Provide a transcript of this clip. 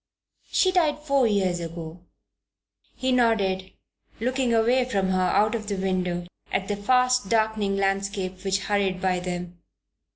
"She died four years ago." He nodded, looking away from her out of the window at the fast darkening landscape which hurried by them.